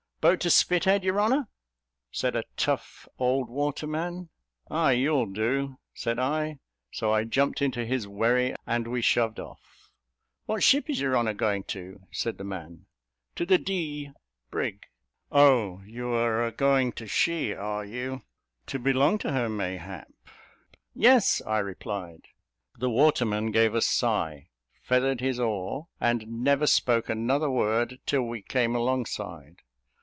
"Boat to Spithead, your honour?" said a tough old waterman. "Ay, you'll do," said I; so I jumped into his wherry, and we shoved off. "What ship is your honour going to?" said the man. "To the D brig." "Oh, you are a going to she, are you? To belong to her, mayhap?" "Yes," I replied. The waterman gave a sigh, feathered his oar, and never spoke another word till we came alongside.